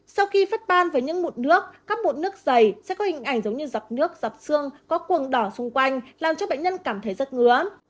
sau khi phát ban với những mụn nước các bộn nước dày sẽ có hình ảnh giống như giọt nước giặt xương có cuồng đỏ xung quanh làm cho bệnh nhân cảm thấy rất ngứa